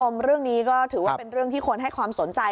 คุณผู้ชมเรื่องนี้ก็ถือว่าเป็นเรื่องที่คนให้ความสนใจ